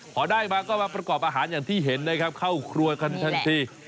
พอได้มาก็มาประกอบอาหารอย่างที่เห็นนะครับเข้าครัวทันที